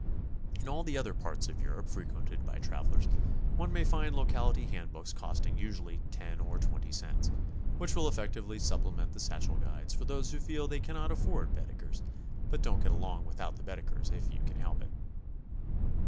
In all the other parts of Europe frequented by travelers one may find locality hand books costing usually 10 or 20 cents, which will effectively supplement the satchel guides for those who feel they cannot afford Baedekers, but don't get along without the Baedekers if you can help it.